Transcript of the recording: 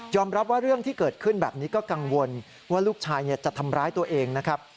รับว่าเรื่องที่เกิดขึ้นแบบนี้ก็กังวลว่าลูกชายจะทำร้ายตัวเองนะครับ